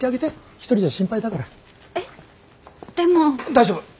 大丈夫。